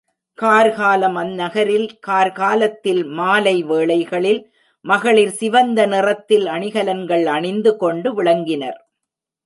Car காலம் அந்நகரில் கார்காலத்தில் மாலை வேளைகளில் மகளிர் சிவந்த நிறத்தில் அணிகலன்கள் அணிந்து கொண்டு விளங்கினர்.